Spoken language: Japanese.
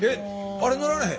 あれ乗られへん？